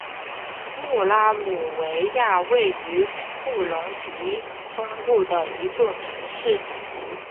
穆拉姆维亚位于布隆迪中部的一座城市。